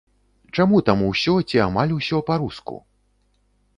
Чаму там усё ці амаль усё па-руску?